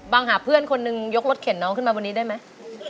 หาเพื่อนคนนึงยกรถเข็นน้องขึ้นมาบนนี้ได้ไหม